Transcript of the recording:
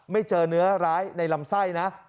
ไม่เจอเนื้อร้ายในลำไส้นะ